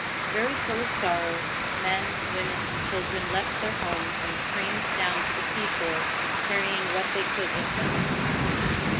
Very full of sorrow, men, women, and children left their homes and streamed down to the sea shore, carry ing what they could with them.